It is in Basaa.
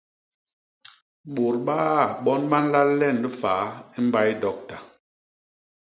Bôt baaa bon ba nlal len faa i mbay dokta.